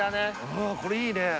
これいいね。